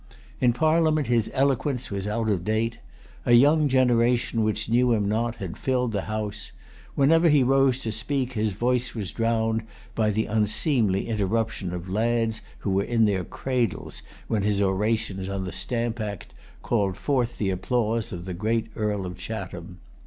In Parliament his eloquence was out of date. A young generation, which knew him not, had filled the House. Whenever he rose to speak, his voice was drowned by the unseemly interruption of lads who were in their cradles when his orations on the Stamp Act called forth the applause of the great Earl of Chatham.